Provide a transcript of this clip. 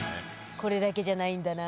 これだけじゃないんだな。